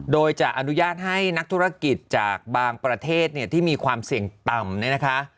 โดยจะอนุญาตให้นักธุรกิจจากบางประเทศเนี่ยที่มีความเสี่ยงต่ำเนี่ยนะคะ